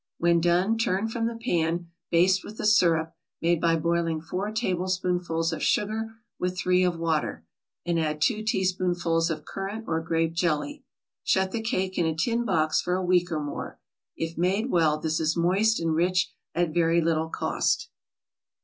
When done, turn from the pan, baste with a syrup, made by boiling four tablespoonfuls of sugar with three of water, and add two teaspoonfuls of currant or grape jelly. Shut the cake in a tin box for a week or more. If made well this is moist and rich at very little cost.